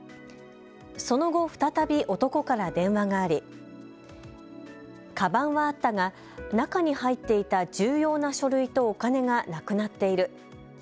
その後、再び男から電話がありかばんはあったが中に入っていた重要な書類とお金がなくなっている。